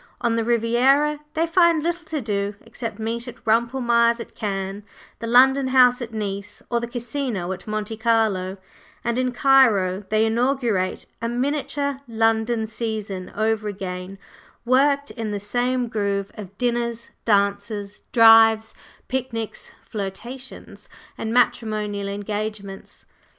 On the Riviera they find little to do except meet at Rumpelmayer's at Cannes, the London House at Nice, or the Casino at Monte Carlo; and in Cairo they inaugurate a miniature London "season" over again, worked in the same groove of dinners, dances, drives, picnics, flirtations, and matrimonial engagements.